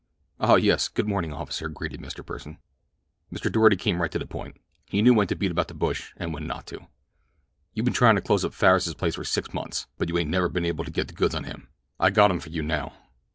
"Oh, yes; good morning, officer," greeted Mr. Pursen. Mr. Doarty came right to the point. He knew when to beat about the bush and when not to. "You been tryin' to close up Farris's place for six months; but you ain't never been able to get the goods on him. I got 'em for you, now."